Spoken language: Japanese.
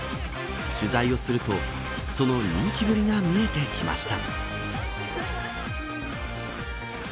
取材をするとその人気ぶりが見えてきました。